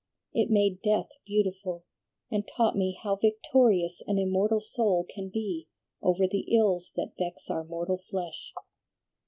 It made death beautiful, and taught me how victorious an immortal soul can be over the ills that vex our mortal flesh.